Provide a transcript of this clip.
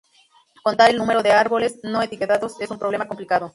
Contar el número de árboles no etiquetados es un problema complicado.